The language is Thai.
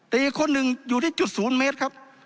แต่อีกคนหนึ่งอยู่ที่๐เมตรครับ